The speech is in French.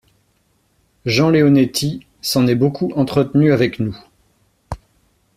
Jean Leonetti s’en est beaucoup entretenu avec nous.